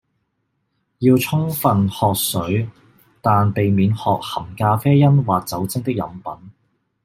要充分喝水，但避免喝含咖啡因或酒精的飲品